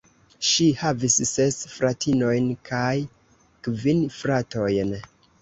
Ŝi havis ses fratinojn kaj kvin fratojn.